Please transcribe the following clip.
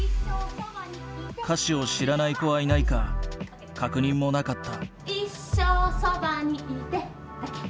歌詞を知らない子はいないか確認もなかった。